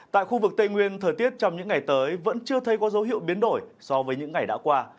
tại khu vực tây nguyên thời tiết trong những ngày tới vẫn chưa thấy có dấu hiệu biến đổi so với những ngày đã qua